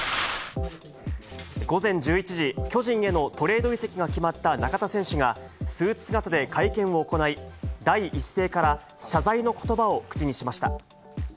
午前１１時、巨人へのトレード移籍が決まった中田選手が、スーツ姿で会見を行い、第一声から、謝罪のことばを口にしました。